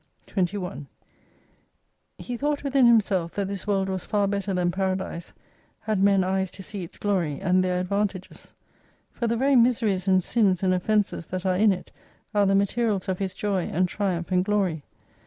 21 He thought within himself that this world was far better than Paradise had men eyes to see its glory, and their advantages. For the very miseries and sins and offences that are in it are the materials of his joy and triumph and glory.